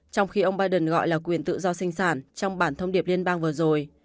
trong khi ông biden gọi là quyền tự do sinh sản trong bản thông điệp liên bang vừa rồi